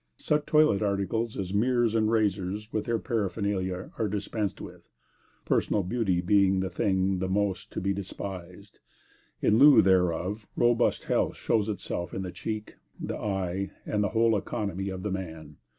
Such toilet articles as mirrors and razors, with their paraphernalia, are dispensed with, personal beauty being a thing the most to be despised. In lieu thereof, robust health shows itself in the cheek, the eye, and the whole economy of the man.